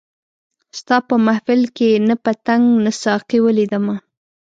ستا په محفل کي نه پتنګ نه ساقي ولیدمه